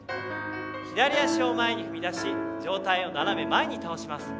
左足を前に踏み出し上体を斜め前に倒します。